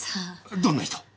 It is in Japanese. どんな人？